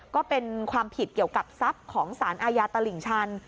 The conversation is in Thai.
ก็เป็นความผิดเกี่ยวกับทรัพย์ของสารอาญาตลิ่งชัน